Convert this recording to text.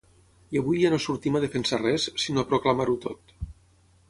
I avui ja no sortim a defensar res, sinó a proclamar-ho tot.